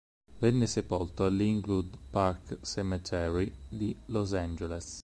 Venne sepolto all'Inglewood Park Cemetery di Los Angeles.